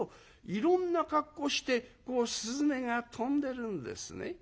いろんな格好してこう雀が飛んでるんですね」。